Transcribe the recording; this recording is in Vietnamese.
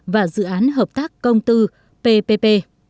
và dự án hợp tác công tư ppp